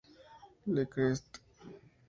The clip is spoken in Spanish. Le Crest